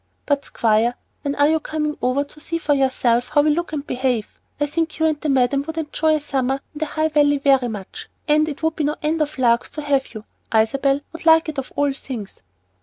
But, Squire, when are you coming over to see for yourself how we look and behave? I think you and the Madam would enjoy a summer in the High Valley very much, and it would be no end of larks to have you. Isabel would like it of all things."